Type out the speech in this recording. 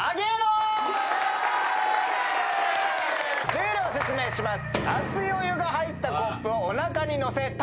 ルールを説明します。